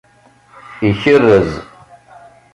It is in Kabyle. Ikerrez